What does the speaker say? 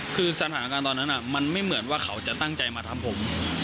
คือสถานการณ์ตอนนั้นมันไม่เหมือนว่าเขาจะตั้งใจมาทำผม